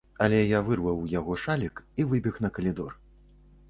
Але я вырваў у яго шалік і выбег на калідор.